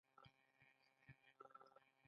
ووایه چې دا غرونه ستا شتمني ده.